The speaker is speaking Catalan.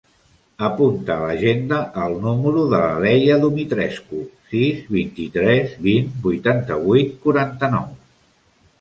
Apunta a l'agenda el número de la Leia Dumitrescu: sis, vint-i-tres, vint, vuitanta-vuit, quaranta-nou.